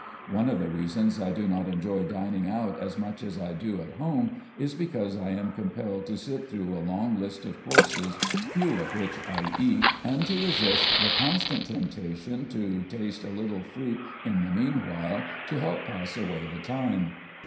One of the reasons I do not enjoy dining out as much as I do at home is because I am compelled to sit through a long list of courses, few of which I eat, and to resist the constant temptation to taste a little fruit in the meanwhile to help pass away the time."